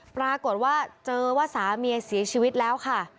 ปรากฏว่าเจอว่าสามีเสียชีวิตแล้วค่ะ